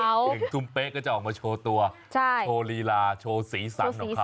หนึ่งทุ่มเป๊ะก็จะออกมาโชว์ตัวโชว์ลีลาโชว์สีสันของเขา